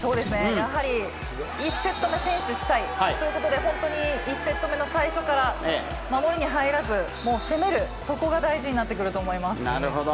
やはり１セット目先取したいということで、本当に１セット目の最初から守に入らず、もう攻める、そこが大事なるほど。